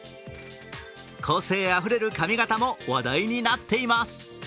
個性あふれる髪形も話題になっています。